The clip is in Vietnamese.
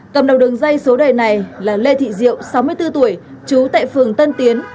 cầm đầu đường dây số đề này là lê thị diệu sáu mươi bốn tuổi trú tại phường tân tiến